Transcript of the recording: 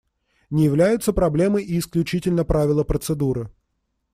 Не являются проблемой и исключительно правила процедуры.